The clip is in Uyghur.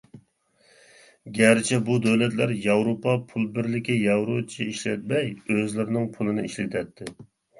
گەرچە بۇ دۆلەتلەر ياۋروپا پۇل بىرلىكى «ياۋرو» چى ئىشلەتمەي ئۆزلىرىنىڭ پۇلىنى ئىشلىتەتتى.